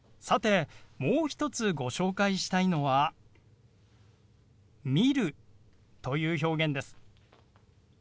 さてもう一つご紹介したいのは「見る」という表現です。